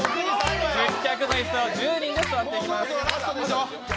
１０脚の椅子を１０人で座っていきます。